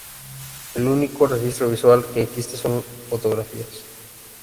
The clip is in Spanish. El único registro visual que existe son fotografías.